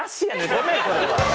ごめんそれは。